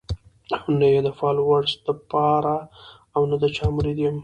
او نۀ ئې د فالوورز د پاره او نۀ د چا مريد يم